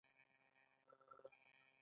د کارخانو ځنډ او د کارګرانو بېکاري نښې دي